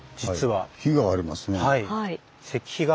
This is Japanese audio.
石碑がありますね。